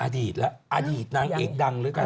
อดีตแล้วอดีตนางเอกดังแล้วกัน